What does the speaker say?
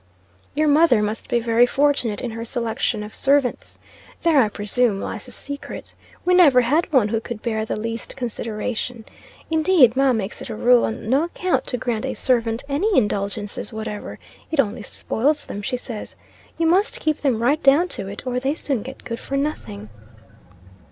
"Your mother must be very fortunate in her selection of servants. There, I presume, lies the secret. We never had one who would bear the least consideration. Indeed, ma makes it a rule on no account to grant a servant any indulgences whatever, it only spoils them, she says. You must keep them right down to it, or they soon get good for nothing."